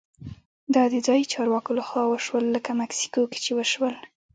دا د ځايي چارواکو لخوا وشول لکه مکسیکو کې چې وشول.